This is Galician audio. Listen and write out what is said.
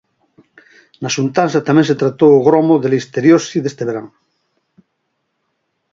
Na xuntanza tamén se tratou o gromo de listeriose deste verán.